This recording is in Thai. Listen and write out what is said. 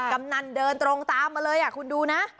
กำนันเดินตรงตามมาเลยคุณดูนะ